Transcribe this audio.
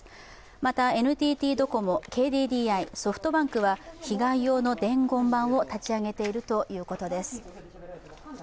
また、ＮＴＴドコモＫＤＤＩ、ソフトバンクは被害用の伝言板を立ち上げているということです。